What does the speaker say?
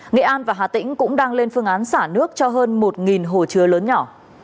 nghệ an và hà tĩnh cũng đang lên phương án xả nước cho hơn một hồ chứa lớn nhỏ